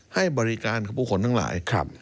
ให้บริการกับผู้คนทั้งหลาย